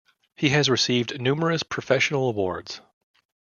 He has received numerous professional awards.